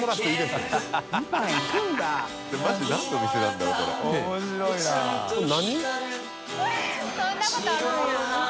そんなことあるんや。）